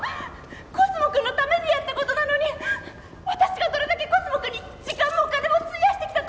コスモくんのためにやったことなのに私がどれだけコスモくんに時間もお金も費やしてきたと思ってるの？